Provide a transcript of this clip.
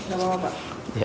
terima kasih pak